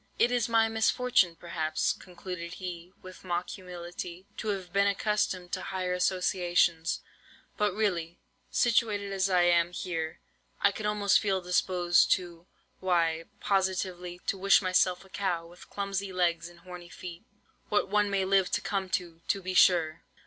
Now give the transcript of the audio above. "'It is my misfortune, perhaps,' concluded he, with mock humility, 'to have been accustomed to higher associations; but really, situated as I am here, I could almost feel disposed to—why, positively, to wish myself a cow, with clumsy legs and horny feet. What one may live to come to, to be sure!